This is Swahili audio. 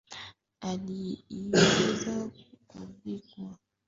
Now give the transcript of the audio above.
ili iweze kuvunja kutaWakati wa giza kwenye asubuhi wa tarehre thelathini mwezi wa